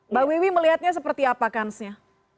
mbak wiwi melihatnya seperti apa kansnya